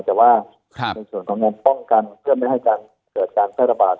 แต่ว่าในส่วนของเงินป้องกันเพื่อไม่ให้การเกิดการแพร่ระบาด